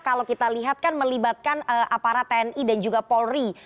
kalau kita lihat kan melibatkan aparat tni dan juga polri